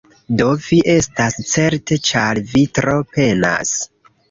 Do, vi estas certe ĉar vi tro penas